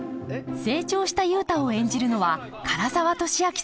成長した雄太を演じるのは唐沢寿明さん。